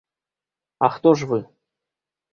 А хто ж вы?